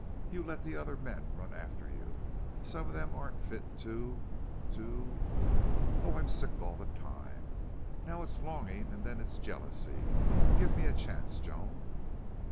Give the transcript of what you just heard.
You let the other men run after you. Some of them aren't fit to to Oh, I'm sick all the time! Now it's longing and then it's jealousy. Give me a chance, Joan."